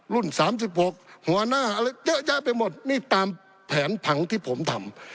๓๖หัวหน้าอะไรเยอะแยะไปหมดนี่ตามแผนผังที่ผมทำ